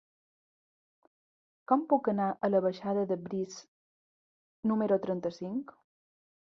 Com puc anar a la baixada de Briz número trenta-cinc?